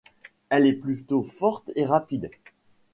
Elle est plutôt forte et rapide.